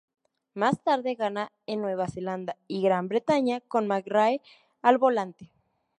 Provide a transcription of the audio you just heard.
Más tarde gana en Nueva Zelanda y Gran Bretaña con McRae al volante.